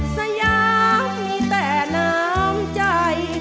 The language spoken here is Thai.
สยามมีแต่น้ำใจ